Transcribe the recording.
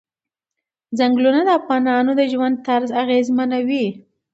چنګلونه د افغانانو د ژوند طرز اغېزمنوي.